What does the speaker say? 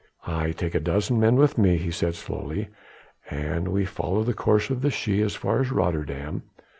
"I take a dozen men with me," he said slowly, "and we follow the course of the Schie as far as Rotterdam.